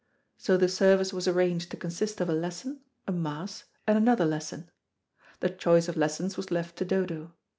So the service was arranged to consist of a lesson, a Mass, and another lesson. The choice of lessons was left to Dodo.